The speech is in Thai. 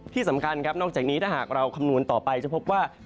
ที่สำคัญครับนอกจากนี้ถ้าหากเราคำนวณต่อไปจะพบว่า